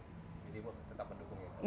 jadi tetap mendukung ya